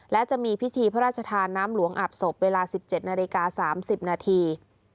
และจะมีพิธีพระราชทานน้ำหลวงอาบศพเวลา๑๗นาฬิกา๓๐นาที